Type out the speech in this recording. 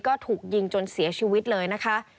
ก็ถูกยิงจนเสียชีวิตเลยนะคะ